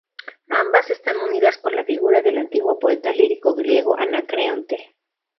Ambas están unidas por la figura del antiguo poeta lírico griego Anacreonte.